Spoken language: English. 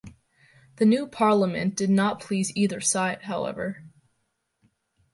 The new Parliament did not please either side, however.